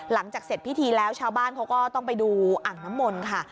หลังจากเสร็จพิธีแล้วชาวบ้านเขาก็ต้องไปดูอ่างน้ำมนต์ค่ะ